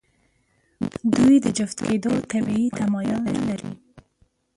دوی د جفت کېدو طبیعي تمایل نهلري.